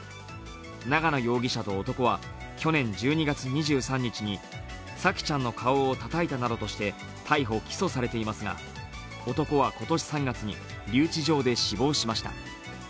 長野容疑者と男は去年１２月２３日に沙季ちゃんの顔をたたいたなどとして逮捕・起訴されていますが男は今年３月に留置場で死亡しました。